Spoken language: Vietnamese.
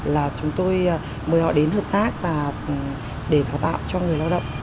là chúng tôi mời họ đến hợp tác để đào tạo cho người lao động